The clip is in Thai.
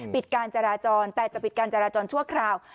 ปิดการจราจรแต่จะปิดการจราจรชั่วคราว